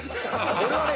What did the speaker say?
これはね